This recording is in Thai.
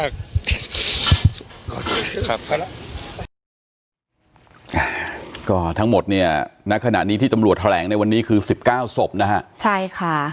ก็ทั้งหมดเนี่ยอนักขณะนี้ที่ตำรวจแผลงในวันนี้คือ๑๙ศพนะฮะ